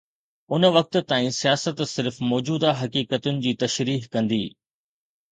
ان وقت تائين سياست صرف موجوده حقيقتن جي تشريح ڪندي.